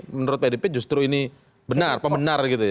menurut pdp justru ini benar pembenar gitu ya